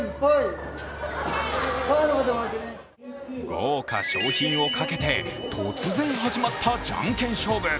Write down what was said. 豪華賞品をかけて突然始まったじゃんけん勝負。